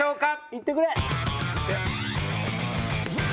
いってくれ！